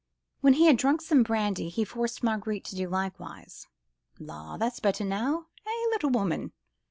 When he had drunk some brandy, he forced Marguerite to do likewise. "La! that's better now! Eh! little woman?"